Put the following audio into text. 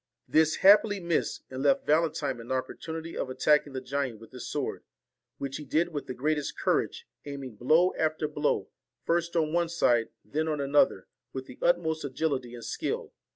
This happily missed, and left Valentine an opportunity of attack ing the giant with his sword, which he did with the greatest courage, aiming blow after blow, first on one side, then on another, with the utmost agility and skill.